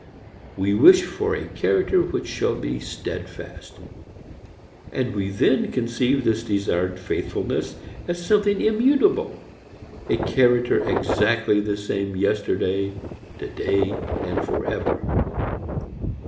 We wish for a character which shall be steadfast, and we then conceive this desired faithfulness as something immutable, a character exactly the same yesterday, today and forever.